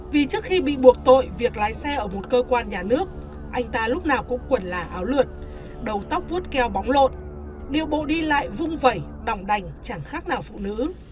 vì trước khi bị buộc tội việc lái xe ở một cơ quan nhà nước anh ta lúc nào cũng quần là áo lượt đầu tóc vút keo bóng lộn điều bộ đi lại vung vẩy đòng đành chẳng khác nào phụ nữ